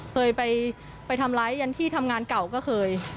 เคยไปทำร้ายยันที่ทำงานเก่าก็เคย